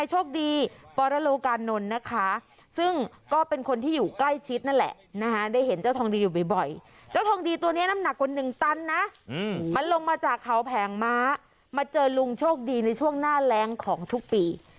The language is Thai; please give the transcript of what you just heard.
หนึ่งตันนะมันลงมาจากเขาแผงม้ามาเจอลุงโชคดีในช่วงหน้าแร้งของทุกปี